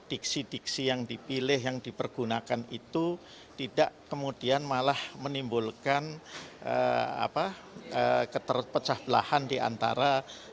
diksi diksi yang dipilih yang dipergunakan itu tidak kemudian malah menimbulkan keterpecah belahan diantara